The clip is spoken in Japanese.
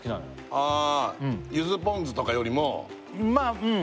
あゆずポン酢とかよりもまあうん